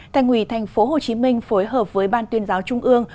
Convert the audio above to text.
thành ủy tp hcm phối hợp với ban tuyên giáo trung ương